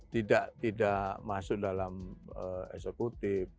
tidak masuk dalam eksekutif